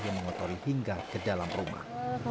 yang mengotori hingga ke dalam rumah